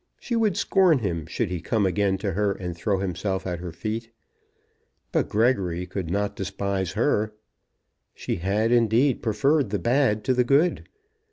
She would scorn him should he come again to her and throw himself at her feet. But Gregory could not despise her. She had, indeed, preferred the bad to the good.